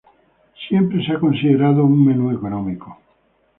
Es considerado siempre un menú económico.